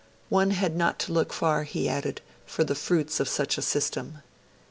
One had not to look far, he added, for 'the fruits of such a system'.